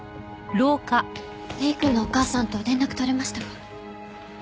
礼くんのお母さんと連絡取れましたか？